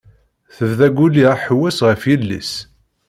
Tebda Guli aḥewwes ɣef yelli-s.